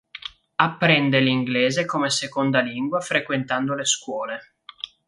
Apprende l'inglese come seconda lingua frequentando le scuole.